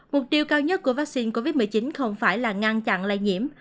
mục tiêu cao nhất của vắc xin covid một mươi chín không phải là ngăn chặn lai nhiễm